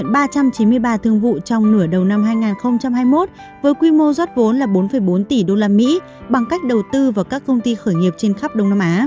các quỹ đầu tư mạo hiểm đã thực hiện ba trăm chín mươi ba thương vụ trong nửa đầu năm hai nghìn hai mươi một với quy mô rót vốn là bốn bốn tỷ usd bằng cách đầu tư vào các công ty khởi nghiệp trên khắp đông nam á